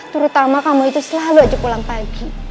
terutama kamu itu selalu ajak pulang pagi